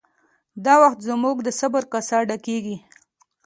دا وخت زموږ د صبر کاسه ډکیږي